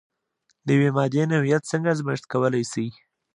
د یوې مادې نوعیت څنګه ازميښت کولی شئ؟